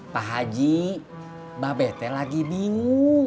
pak haji mbak bete lagi bingung